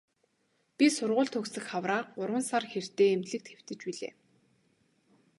Би сургууль төгсөх хавраа гурван сар хэртэй эмнэлэгт хэвтэж билээ.